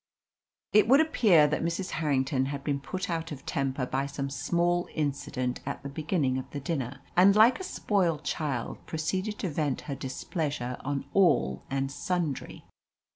It would appear that Mrs. Harrington had been put out of temper by some small incident at the beginning of the dinner, and, like a spoilt child, proceeded to vent her displeasure on all and sundry.